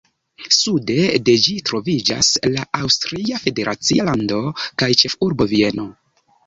Sude de ĝi troviĝas la Aŭstria federacia lando kaj ĉefurbo Vieno.